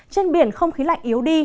trên biển không khí lạnh yếu đi